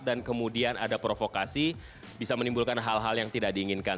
dan kemudian ada provokasi bisa menimbulkan hal hal yang tidak diinginkan